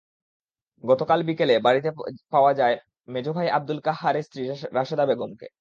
গতকাল বিকেলে বাড়িতে পাওয়া যায় মেজো ভাই আবদুল কাহ্হারের স্ত্রী রাশেদা বেগমকে।